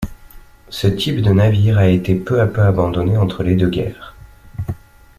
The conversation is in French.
Ce type de navire a été peu à peu abandonné entre les deux guerres.